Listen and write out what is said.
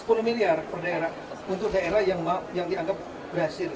rp sepuluh miliar per daerah untuk daerah yang dianggap berhasil